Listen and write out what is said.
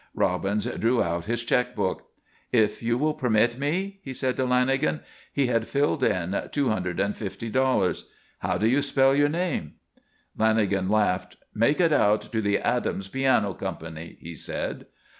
Robbins drew out his check book. "If you will permit me?" he said, to Lanagan. He had filled in "$250." "How do you spell your name?" Lanagan laughed. "Make it out to the Adams Piano Company," he said.